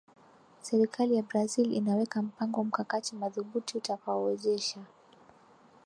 serikali ya brazil inaweka mpango mkakati madhubuti utakaowezesha